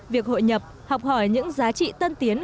việc hội nhập học hỏi những giá trị tân tiến